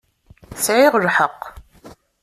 Sɛiɣ lḥeqq.